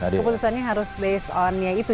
keputusannya harus based on nya itu